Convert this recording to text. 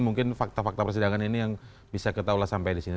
mungkin fakta fakta persidangan ini yang bisa kita ulas sampai di sini